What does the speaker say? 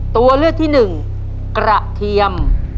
ตัวเลือกที่๑กระเทียม